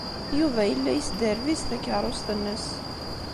Yuba yella yesderbiz takeṛṛust-nnes.